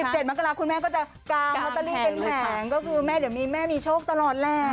๗มกราคุณแม่ก็จะกางลอตเตอรี่เป็นแผงก็คือแม่เดี๋ยวมีแม่มีโชคตลอดแหละ